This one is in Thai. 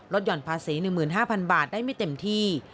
หย่อนภาษี๑๕๐๐๐บาทได้ไม่เต็มที่